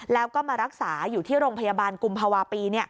แล้วก็มารักษาอยู่ที่โรงพยาบาลกุมภาวะปี